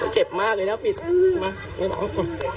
เจ็บมากเลยนะปิดมาไม่ร้อง